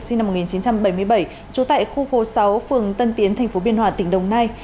sinh năm một nghìn chín trăm bảy mươi bảy trú tại khu phố sáu phường tân tiến tp biên hòa tỉnh đồng nai